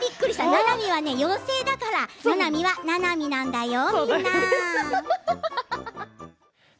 ななみは妖精だから、ななみはななみなんだよ。